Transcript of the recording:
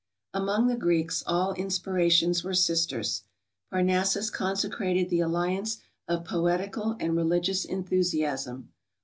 Among the Greeks, all inspirations were sisters; Parnassus consecrated the alliance of poetical and religious enthusiasm.